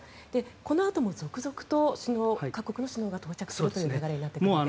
この後も続々と各国の首脳が到着するという流れになってくるわけですね。